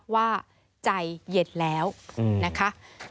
ว่าใจเย็นแล้วนะคะ